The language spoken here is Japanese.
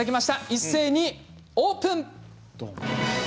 一斉にオープン！